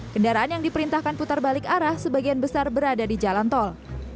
kendaraan yang diperintahkan putar balik arah sebagian besar berada di jalan tol